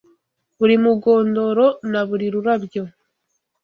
buri mugondoro na buri rurabyo